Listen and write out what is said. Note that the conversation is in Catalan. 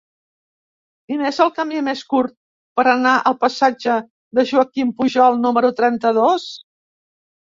Quin és el camí més curt per anar al passatge de Joaquim Pujol número trenta-dos?